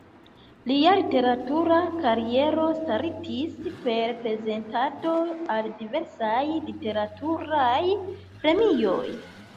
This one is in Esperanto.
Lia literatura kariero startis per prezentado al diversaj literaturaj premioj.